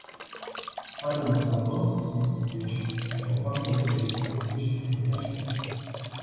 მადონას ალბომს მისმა სტუდიაში მუშაობამ მეტი ელექტრონული ჟღერადობა შესძინა.